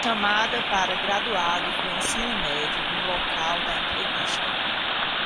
Chamada para graduados do ensino médio no local da entrevista